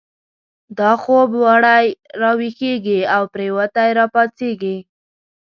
دا خوب و ړی را ویښیږی، دا پریوتی را پاڅیږی